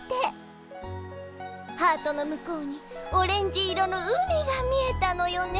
ハートの向こうにオレンジ色の海が見えたのよね。